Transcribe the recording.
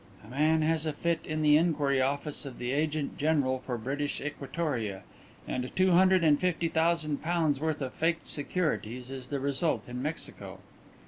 "A man has a fit in the inquiry office of the Agent General for British Equatoria, and two hundred and fifty thousand pounds' worth of faked securities is the result in Mexico.